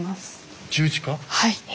はい。